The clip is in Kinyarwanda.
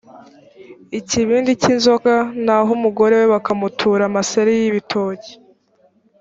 ikibindi k inzoga naho umugore we bakamutura amaseri y ibitoke